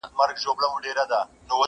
هغه جنتي حوره ته انسانه دا توپیر دی،